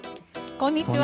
こんにちは。